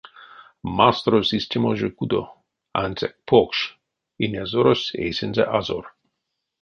Масторось истямо жо кудо, ансяк покш, инязорось эйсэнзэ азор.